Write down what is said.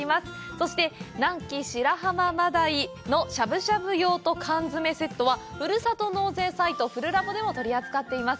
そして、南紀白浜真鯛のしゃぶしゃぶ用と缶詰めセットはふるさと納税サイト「ふるラボ」でも取り扱っています。